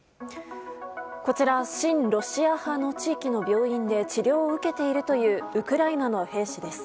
こちら、親ロシア派の地域の病院で治療を受けているというウクライナの兵士です。